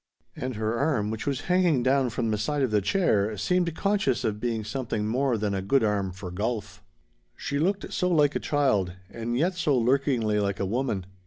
And her arm, which was hanging down from the side of the chair, seemed conscious of being something more than a good arm for golf. She looked so like a child, and yet so lurkingly like a woman.